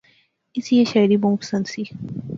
اس ایہہ شاعری بہوں پسند سی